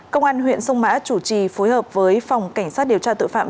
công an huyện sông mã chủ trì phối hợp với phòng cảnh sát điều tra tội phạm